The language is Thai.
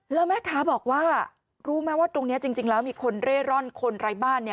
แล้วแม่ค้าบอกว่ารู้ไหมว่าตรงนี้จริงแล้วมีคนเร่ร่อนคนไร้บ้าน